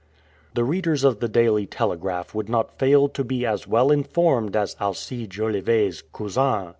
The readers of the Daily Telegraph would not fail to be as well informed as Alcide Jolivet's "cousin."